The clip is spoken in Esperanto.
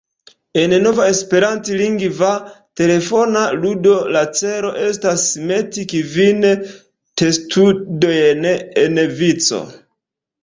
En nova esperantlingva telefona ludo la celo estas meti kvin testudojn en vico.